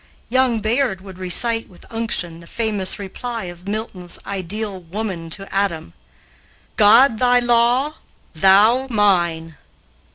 Young Bayard would recite with unction the famous reply of Milton's ideal woman to Adam: "God thy law, thou mine."